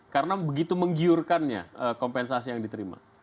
karena begitu menggiurkannya kompensasi yang diterima